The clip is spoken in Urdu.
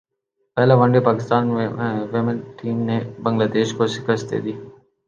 پہلا one day Pakistan women team نے بنگلہ دیش کو شکست دے دی